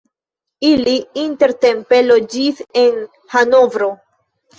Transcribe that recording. Ili intertempe loĝis en Hanovro.